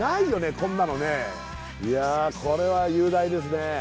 こんなのねいやこれは雄大ですね